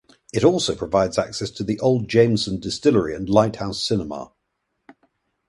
It also provides access to the Old Jameson Distillery and Light House Cinema.